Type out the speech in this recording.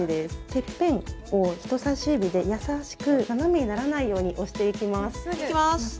てっぺんを人さし指で優しく斜めにならないように押していきますいきます